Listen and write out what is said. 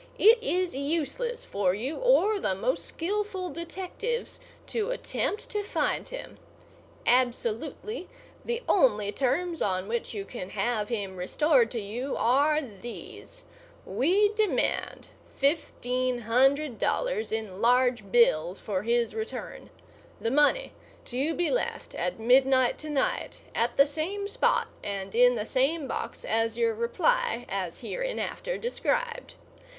It is useless for you or the most skilful detectives to attempt to find him. Absolutely, the only terms on which you can have him restored to you are these: We demand fifteen hundred dollars in large bills for his return; the money to be left at midnight to night at the same spot and in the same box as your reply—as hereinafter described.